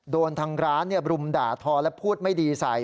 ทางร้านรุมด่าทอและพูดไม่ดีใส่